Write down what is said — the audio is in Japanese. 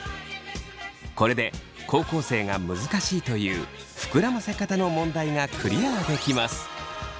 これで高校生が難しいという膨らませ方の問題がクリアできます。